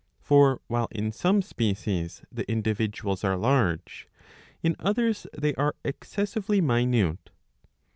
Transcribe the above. For, while in some species the individuals are large, in others they are excessively minute.